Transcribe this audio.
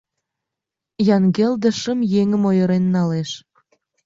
Янгелде шым еҥым ойырен налеш.